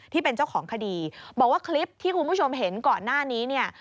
ที่เป็นเจ้าของคดีบอกว่าคลิปที่คุณผู้ชมเห็นก่อนหน้านี้เนี่ย